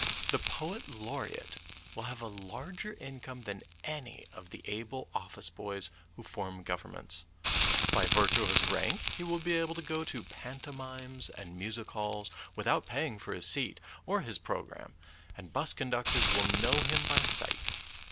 The Poet Laureate will have a larger income than any of the able office boys who form governments. By virtue of his rank he will be able to go to pantomimes and music halls without paying for his seat or his pro gramme, and 'bus conductors will know him by sight.